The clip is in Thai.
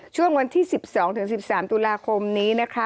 ช่วงวันที่๑๒๑๓ตุลาคมนี้นะคะ